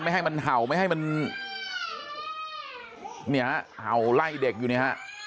ไม่ให้มันเห่าไม่ให้มันเห่าไล่เด็กอยู่นะฮะ